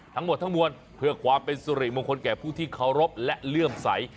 ทั้งหมดทั้งมวลเพื่อความเป็นสุริมงคลแก่ผู้ที่เคารพและเลื่อมใส